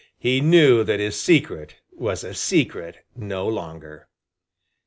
He knew that his secret was a secret no longer.